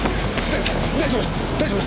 大丈夫？